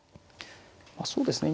そうですね。